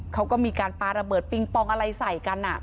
เขาก็มีการปาระเบิดปิงปองอะไรใส่กัน